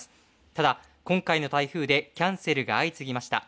ただ今回の台風でキャンセルが相次ぎました。